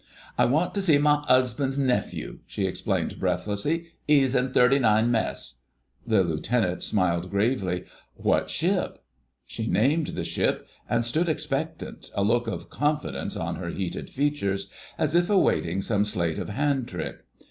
"I want to see my 'usband's nephew," she explained breathlessly; "'e's in 39 Mess." The Lieutenant smiled gravely. "What ship?" She named the ship, and stood expectant, a look of confidence on her heated features, as if awaiting some sleight of hand trick.